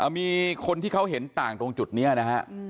มีคนที่เขาเห็นต่างตรงจุดนี้นะฮะ